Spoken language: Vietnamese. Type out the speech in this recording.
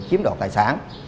chiếm đoạt tài sản